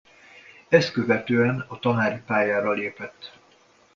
Ezt követően a tanári pályára lépett.